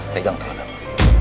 pegang tangan aku